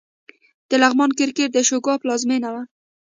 د لغمان کرکټ د اشوکا پلازمېنه وه